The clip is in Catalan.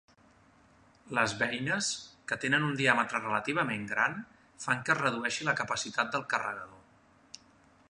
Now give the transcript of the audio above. Les beines, que tenen un diàmetre relativament gran, fan que es redueixi la capacitat del carregador.